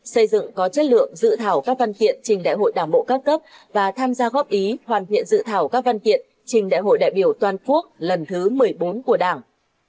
xây dựng có chất lượng dự thảo các văn kiện trình đại hội đảng bộ các cấp và tham gia góp ý hoàn thiện dự thảo các văn kiện trình đại hội đại biểu toàn quốc lần thứ một mươi bốn của đảng